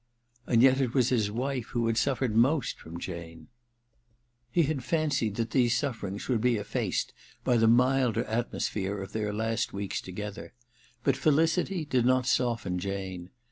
And yet it was his wife who had suffered most from Jane ! He had fancied that these sufferings would 189 I90 THE MISSION OF JANE vi be efFaced by the milder atmosphere of their last weeks together ; but felicity did not soften Jane.